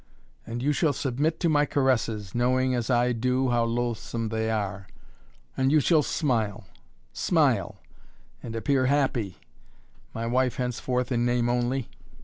And you shall submit to my caresses, knowing, as I do, how loathsome they are. And you shall smile smile and appear happy my wife henceforth in name only.